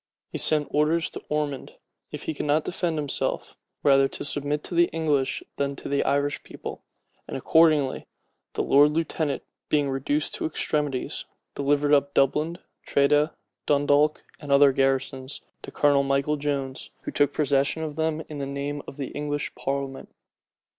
He sent orders to Ormond, if he could not defend himself, rather to submit to the English than to the Irish rebels; and accordingly the lord lieutenant, being reduced to extremities, delivered up Dublin, Tredah, Dundalk, and other garrisons, to Colonel Michael Jones, who took possession of them in the name of the English parliament.